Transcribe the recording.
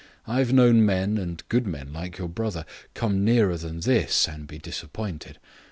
I've known men, and good men like your brother, come nearer than this and be disappointed.